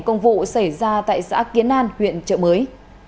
công vụ xảy ra tại xã kiến an huyện trợ mới